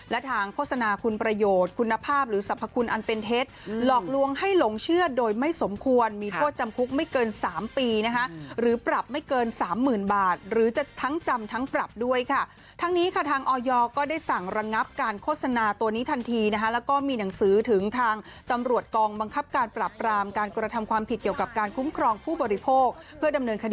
และทางโฆษณาคุณประโยชน์คุณภาพหรือสรรพคุณอันเป็นเทศหลอกลวงให้หลงเชื่อโดยไม่สมควรมีโทษจำคุกไม่เกิน๓ปีนะฮะหรือปรับไม่เกิน๓๐๐๐๐บาทหรือจะทั้งจำทั้งปรับด้วยค่ะทั้งนี้ค่ะทางออยก็ได้สั่งระงับการโฆษณาตัวนี้ทันทีนะฮะแล้วก็มีหนังสือถึงทางตำรวจกองบังคับก